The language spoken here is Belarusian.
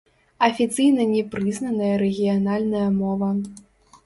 Афіцыйна не прызнаная рэгіянальная мова.